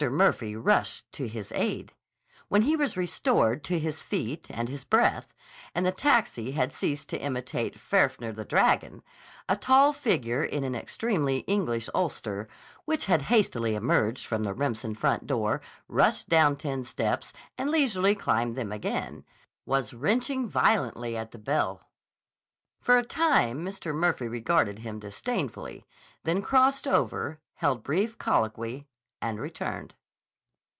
Murphy rushed to his aid. When he was restored to his feet and his breath, and the taxi had ceased to imitate Fafnir the Dragon, a tall figure in an extremely English ulster (which had hastily emerged from the Remsen front door, rushed down ten steps, and leisurely climbed them again) was wrenching violently at the bell. For a time Mr. Murphy regarded him disdainfully, then crossed over, held brief colloquy, and returned.